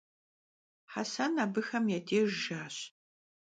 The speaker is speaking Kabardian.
Hesen abıxem ya dêjj jjaş.